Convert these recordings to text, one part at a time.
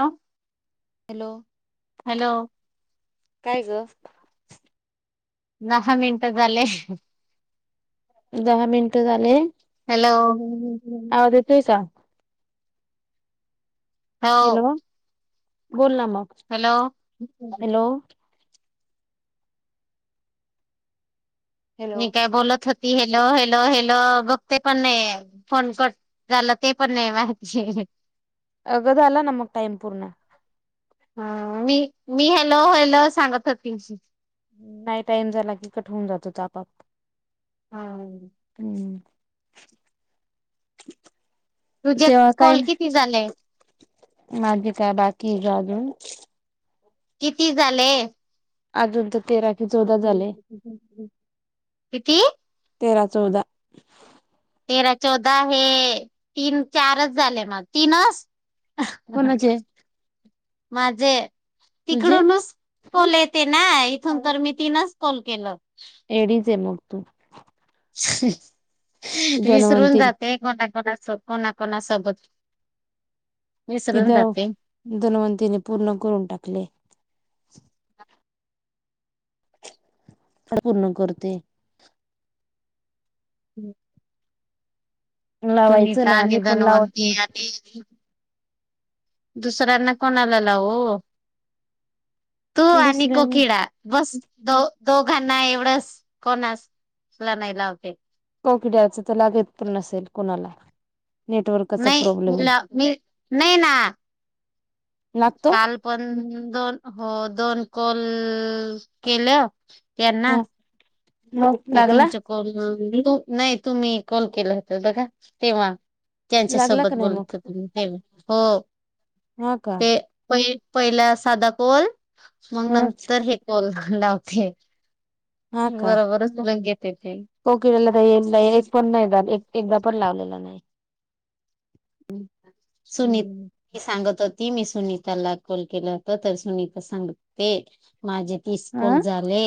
हॅ hello. Hello. काय ग? [inaudible] दहा मिनटं झाले. [inaudible] दहा मिनट झाले. हॅलो. आदि ते सांग. हॅलो हो. बोल ना मग, हॅलो हॅलो. हॅलो मी काय बोलत होत ती हेलो हेलो हेलो बघते पण नयी फोन कट झाला ते पण नाही माहिती [unintelligible] अग झाल ना म टाईम पूर्ण. हा मी मी हॅलो हॅलो सांगत होती की नाही टाइम झाला की कट होऊन जातो तो आपाप हा. हम्म तुझ्यात कॉल किती झालंय? माझी का बाकी का आजुन किती झाले. अजून त [unintelligible] किती तेरा चौदा तेरा चौदा हे तीन चारच झाले मग तीनच कुणाचे? माझे तिकडूनच कॉल येते ना इथून तर मी तिनच कॉल केलं येडीचय मग तू [unintelligible] विसरून धनवंती जाते कोणा कोणा स कोणा कोणा सोबात ति दव धनवंतीने पूर्ण करून टाकलेय. काड पूर्ण करते. हम्म. लावायचं सुनीता ना आणि आम्ही पण लावत धनवंती नाही आणि दुसऱ्यांना कोणाला लावो तू आणि दुसऱ्या कोकिडा बस दो दोघांना एवढस कोणास ला नाही लावते. कोकिड्याच त लागत पण नसेल कोणाला नेटवर्कचा नाही प्रॉब्लेम मुला मी नाही ना लागतो काल पण दो अ दोन हो दोन कॉल केलं. त्यना ह मग ते लागला तुमच कॉल नाही तुम्ही कॉल केलं होत बघा तेव्हा त्यांच्या लागला सोबत का नाही मग बोलत होते मी हो हा का ते पै पहिला साधा कोल मग ह नंतर हे कोल लावतेय. बरोबरच बोलून घेते ते कोकीळेला काही नाही पण नाही झाली. एकदा पण लावलेला नाही. सुनीत सांगत होती. ती मी सुनीताला कोल केला होत तर सुनीता सांगते. माझे तिस ह कोल झाले.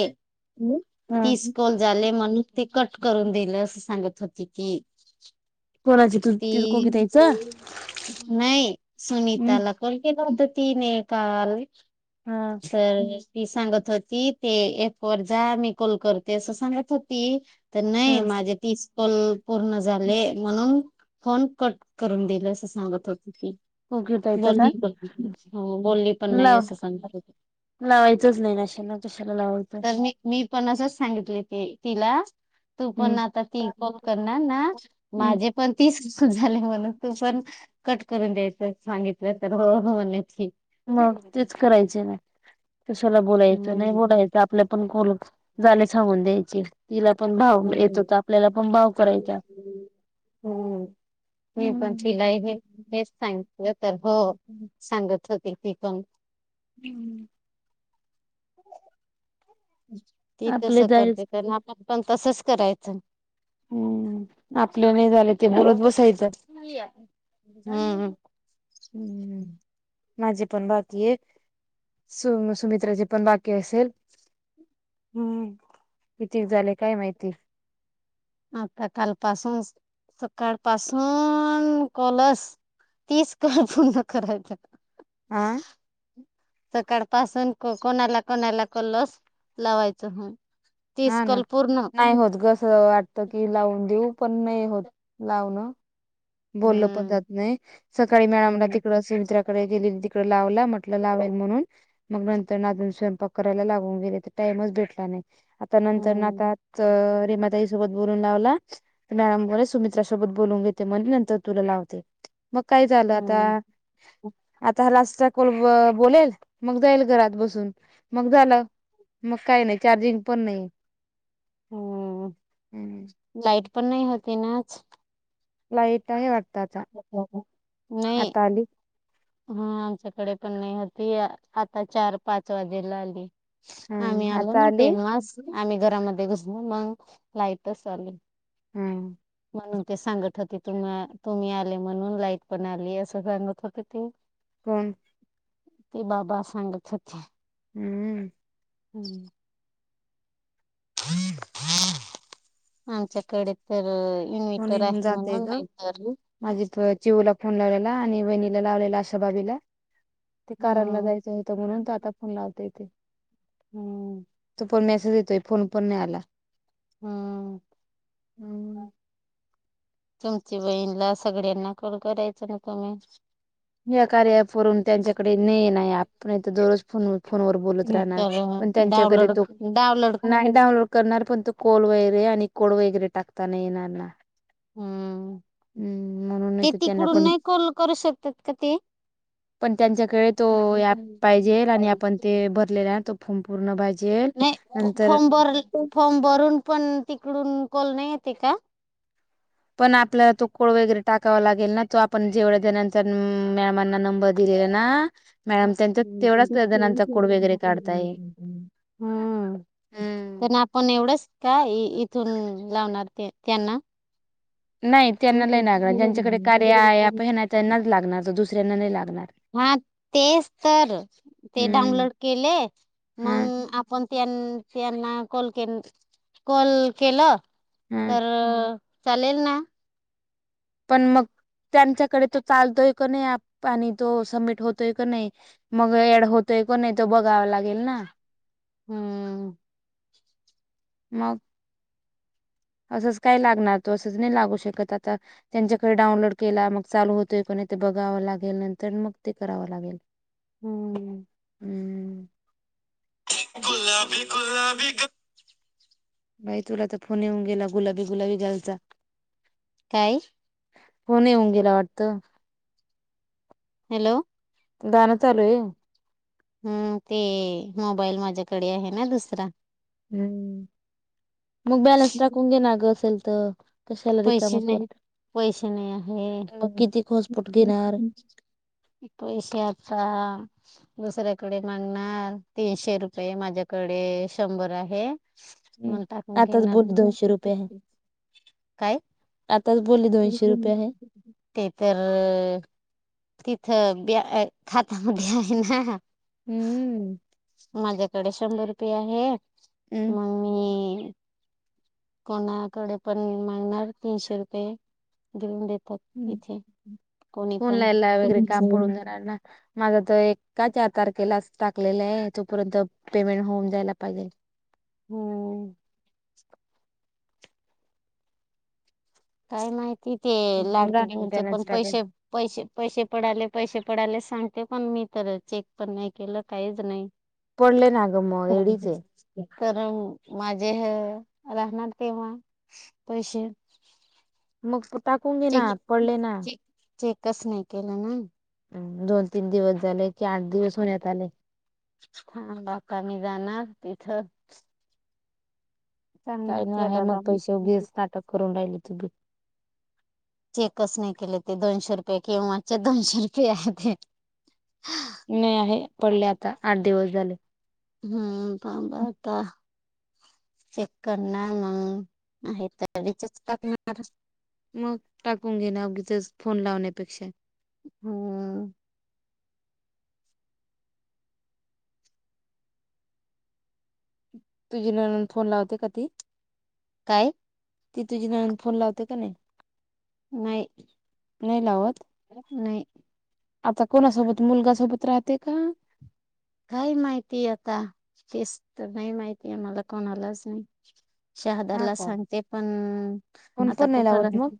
ह तिस कोल झाले म्हणू ते कट करून दिलं असं सांगत होती ती कोणाची तू त कोकी ती ताईचं नाही सुनीताला कॉल केला होता. तने काल हा स ती सांगत होती ते एप वर जा मी कोल करते अस सांगत होती. तर नाही ह माझे तीस कोल पूर्ण झाले म्हणून फोन कट करून दिल असं सांगत होती ती कोकी ताईचं का बोल्ली हो बोलली पण नाही लाव असं सांगत होती. लावायचंच नाही आशाला तशाला लावायचं. तर मी मी पण असच सांगितले ती तिला तू हम् पण आता ती कोल करणार ना माझे पण तीस झाले म्हण तू पण कट करून द्यायच सांगितलं तर हो हो म्हणी मग तेच करायचे ना कशाला बोलायचं नाही हम्म बोलायचं आपल्या पण खल झाले वून द्यायची तिला पण भाव येत हम्म होता आपल्याला पण भाव करायचा हम्म. मी पण हम्म तिलाही हेच सांगितलं तर हो सांगत होती तेिकन हम्म ह ती तस आपले करते जायच त्यांना आपण पण तसच करायचं हम्म आपलं नाही झालं ते बरत बसायचं हम्म हम् माझे पण बाकी आहे सु सुमित्राचे पण बाकी असेल हम्म कितीक झाले काय माहिती आता कालपसून सकाळपसून कलस तेीच काळ पू्हा करायचं आं सकाळ पासून कोणाला कोणाला क लस लावायच हो हा ना नाही होत गस वाटत की लावून देऊ पण नाही होत लावणं बोलल पण हम्म जात नाही सकाळी मॅळा मला हम्म तिकड असे मित्र तडे गे तिकडे लाव म्हट लावाल म्हणून मग नंतर नाून स्वंक करायला लावून गेले टाइम च भेटला नाही आता नंतर न हम्म आता व मॅडम ब सुमित्रासोबत बोलून घेते म्हण नंतर तुला लावते मग काय झालं आता हम्म आता लास्ट बोलेल मग जाईल घरात बसून मग झालं मग काही नाही चार्जिंग पण नाही हम् लाइट पण नाही होती नाच लाईट आहे वाटताचा नाही आता आली हा आमच्याकडे पण नाही होती आता चार पाच वाजेला आली हा आमही आलो आता ना आली टेम मस आम्ही घरामध्ये घुसलो मग लाईटच चालेल हम म्हणून ते सांगत होते तुम तुम्ही आले म्हणून लाईट पण आली असं सांगत होते ते कोण ते बाबा सांगत होते हम्म हम्म ह हा आमच्याकडे तर इन्व्हटर म्हणून आहे जातेय म्हणून ग नाहीतर माझी चिवूला फोन लावलेला आणि बहिणीला लावलेला अशा भाबीला ते कारांला हम्म जायचं होतं म्हणून तो आता फोन लावता येथे हम्म फोन मेसेज देतोय फोन प नाही आला हम्म हो तुमची बहीणला सगळ्यांना कल करायच ना तुम्ही या कार्या करून त्यांच्याकडे नाही नाही आपण तर दररोज फोन फोनवर बोलत राहणार तर पण त्यांच्याकडे डाउनलोड तो डाउनलोड नाही डाउनलोड करणार पण त कोल वगैरे आणि कोड वगैरे टाकताना येणारना हम्म हम्म म्हणून ते येतो त्यांना तिकडून पण नाही कॉल करू शकतात का ते? पण त्यांच्याकडे तो पाहिजे आणि आपण ते भरलेल्या संपूण बाय नाही फॉर्म भर फॉर्म भरून पण तिकडून कोोल नाही येते का पण आपल्याला तो कोड वगैरे टाकावा लागेल ना तो आपण जेवढ्या ज मॅमांना नंबर दिला तेरणा ह त्यां कोड वगैरे काढताय. खे हा तर हम्म आपण एवढंच का इथून लावणार त्यांना नाही त्यांना नाही लागणार ज्यांच्याकडे कार्या हे ॲप आहे ना त्यांनाच लागणार तर दुसऱ्यांना नाही लागणार हा तेच तर ते हम्म डाउनलोड केले हा मग आपण त्यांना यांना कॉल के कॉल केलं हा तर चालेल ना पण मग त्यांच्याकडे तो चालतोय का नाही आणि तो सबमिट होतोय का नाही मग ड होतोय कोण नाही तो बघावा लागेल ना हम्म मग असंच काय लागणार तो असंच नाही लागू शकत आता त्यांच्याकडे डाऊनलोड केला मग चालू होतोय काय नाही ते बघावं लागेल नंतर मग ते करावं लागेल हम्म हम्म गुलाबी गुलाबी गा - बाई तुला तर फोन येऊन गेला गुलाबी गुलाबी घायचा काय फोन येऊन गेला वाटत हॅलो गाणं चालू आहे हम्म ते मोबाईल माझ्याकडे आहे ना दुसरा हम्म मग बॅलन्स टाकून घे ना ग असेल तर कशाला रिकामा पैसे नाही करते पैसे नाही आहे मग किती घोसपोट घेणार पैशाचा दुसऱ्याकडे मागणार तीनशे रुपये माझ्याकडे शंभर आहे हम्म म्हण टाकून आताच घेणार बोलली दोनशे रुपये आहे काय आताच बोलली दोनशे रुपये आहे ते तर तिथं बी खात्यामध्ये आहे ना हम्म माझ्याकडे शंभर रुपये आहे हम्म मग मी कोणाकडे पण मांगणार तीनशे रुपये घेऊन देत हम् फऊनला एला वगरे कामपडून देणार ना माझा त एका चार तारखेला असत टाकलेलं आहे तोपर्यंत पेमेंट होऊन जायला पाहिजे हम्म [inaudible] काय माहिती ते लाडकी बहिणीचे पण मेंटेनन्स टाकेल पैसे पैसे पैसे पडाले पैसे पडाले सांगते पण मी तर चेक पण नाही केलं काहीच नाही पडले ना ग मग एडीच आहे तर माझे हे राहणार तेव्हा पैसे मग तू टाकून घे ना चेक पडले ना चेक चेकच नाही केलं ना दोन तीन दिवस झाले की आठ दिवस होण्यात आले. हां बाका मी जाणार तिथ काही नाही आहे मग दादा पैसे उगीच नाटक करून राहिलेती चेकच नाही केले ते दोनशे रुपये केव्हाचे दोनशे रुपये आहे ते नाही आहे पडले आता आठ दिवस झाले हम्म प बता चेक करणार मग आहे तर विचच टाकणार मग टाकून घे ना उगीचच तेच फोन लावण्यापेक्षा हम्म तुझी ननंद फोन लावते का ती? काय ती तुझी नणंद फोन लावते का नाही नाही नाही लावत नाही आता कोणासोबत मुलगा सोबत राहते का काय माहिती आता तेच तर नाही माहिती मला कोणालाच नाही हा शहादाला का सांगते पण फोन आता पण नाही कुठला लावत मग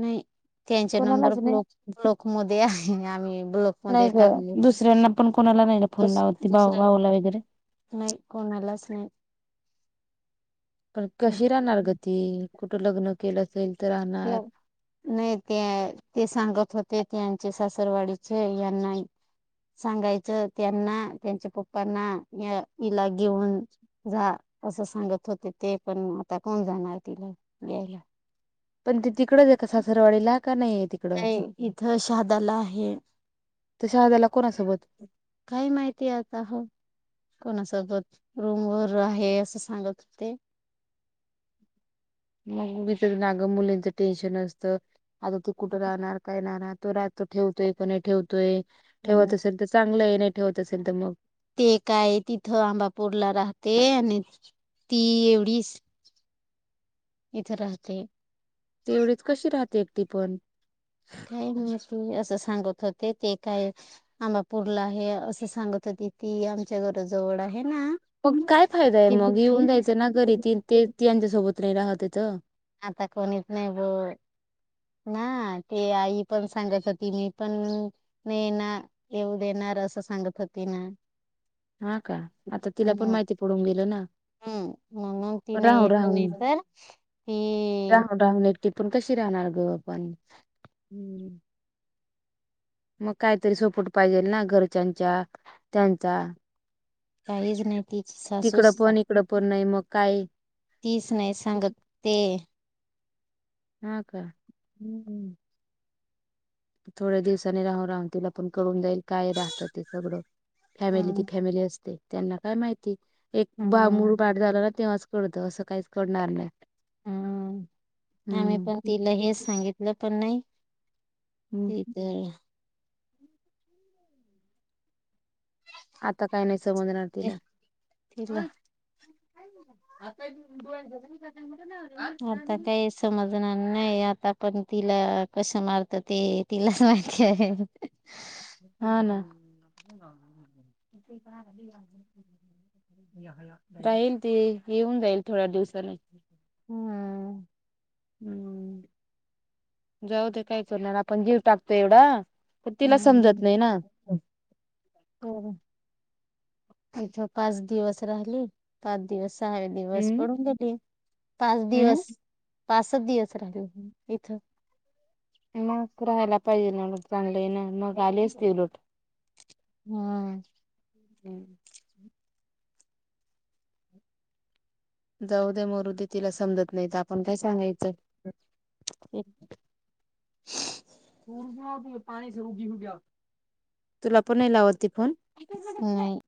नाही त्यांचे नंबर कोणालाच नाही ब्लॉक ब्लॉक मध्ये आहे आम्ही ब्लॉक नाही मध्ये ग टाकले दुसऱ्यांना पण कोणाला नाही फोन लावत ती भाऊ दुसऱ्यां भाऊला वगैरे नाही कोणालाच नाही पण कशी राहणार गं ती कुठं लग्न केलं असेल तर राहणार नाही ते ते सांगत होते त्यांचे सासरवाडीचे यांना सांगायचं त्यांना त्यांच्या पप्पांना या हिला घेऊन जा असं सांगत होते ते पण आता कोण जाणार तिला यायला पण ती तिकडच आहे का सासरवाडीला का नाही आहे तिकडं नाही इथं शहादाला आहे तर शहाद्याला कोणासोबत काय माहितीय आता हो कोणासोबत रूम वर आहे असं सांगत होते मग मीथ नागं मुलींच टेन्शन असत आता तू कुठं राहणार काय राहणार तो राहतोय ठेवतोय क नाही ठेवतोय ठेवत असेल तर चांगलं आहे नाही ठेवत असेल तर मग ते काय तिथं आंबापूरला राहते आणि ती एवढीच इथं राहते ती एवढीच कशी राहते एकट पण काय म असं सांगत होते ते काय आंबापूरला आहे असं सांगत होते ति तती आमच्या घराजवळ आहे ना मग काय फायदा आहे ती मग येऊन मुलगी जायचं ना घरी त ते त्यांच्यासोबत नाही राहत येत आता कोणीच नाही ग ना ते आई पण सांगत होती मी पण नाही ना येऊ दे ना अर असं सांगत होती ना हा का आता तिला हम्म पण माहिती पडून गेल ना हम्म म्हणून ती नाही राहुन येते नाही राहुन तर ती राहून राहून ती पण कशी राहणार ग आपण हम्म मग काहीतरी सपोर्ट पाहिजेल ना घरच्यांच्या त्यांचा काहीच नाही तिची तिकडं सासूस पण इकडं पण नाही मग काय तीच नाही सांगत ते हा का हम्म हम्म थोड्या दिवसानी राहून राहून तिला पण कळून जाईल काय राहत ते सगळं फॅमिली ती हम फॅमिली असते त्यांना काय माहिती एक बा हम मूल बाळ झालं ना तेव्हाच कळतं असं काहीच कळणार नाही हम्म आम्ही पण हम्म तिला हेच सांगितलं पण नाही हम्म हे तर आता काय नाही समजणार ए, तिला तिला [unintelligible] आता काही समजणार नाही आता पण तिला कसं मारत ते तिलाच माहिती आहे हा ना. राहील ती येऊन जाईल थोड्या दिवसाने हम्म हम्म. जाऊ दे काय करणार आपण जीव टाकतोय एवढा पण तिला हम्म समजत नाई ना इथं पाच दिवस राहिली पाच दिवस सहाव्या दिवस हम्म पळून गेली पाच हम्म दिवस पाचच दिवस राहिली होती इथं मग राहायला पाहिजे ना मग चांगली है ना मग आली असती लोट हम्म. हो. जाऊदे मरूदे तिला समजत नाही तर आपण काय सांगाय [inaudible] तुला पण नाय लावत ती फोन? नाई.